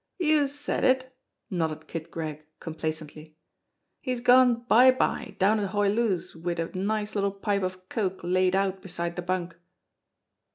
"Youse said it!" nodded Kig Gregg complacently. "He's gone bye bye down at Hoy Loo's wid a nice little pipe of coke laid out beside de bunk."